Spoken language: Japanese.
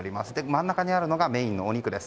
真ん中にあるのがメインのお肉。